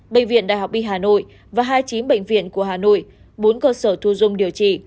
bệnh viện đại học y hà nội và hai mươi chín bệnh viện của hà nội bốn cơ sở thu dung điều trị